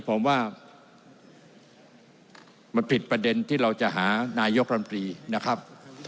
ผมว่ามันผิดประเด็นที่เราจะหานายกรรมตรีนะครับ